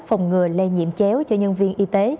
phòng ngừa lây nhiễm chéo cho nhân viên y tế